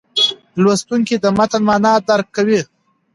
لوستونکی د متن معنا درک کوي.